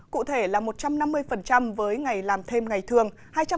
cụ thể là một trăm năm mươi với ngày làm thêm ngày thường